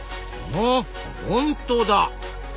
あ本当だ！